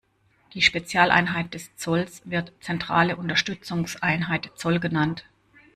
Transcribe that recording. Die Spezialeinheit des Zolls wird Zentrale Unterstützungseinheit Zoll genannt.